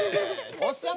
おっさん